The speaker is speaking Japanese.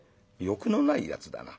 「欲のないやつだな。